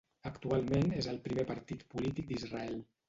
Actualment és el primer partit polític d'Israel.